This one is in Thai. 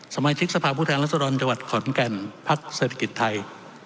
สมาชิกสภาพผู้แทนรัศดรจังหวัดขอนแก่นพักเศรษฐกิจไทย